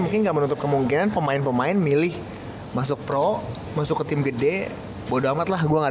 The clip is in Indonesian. ini nggak menutup kemungkinan pemain pemain milih masuk pro masuk ke tim gede bodo amatlah gua nggak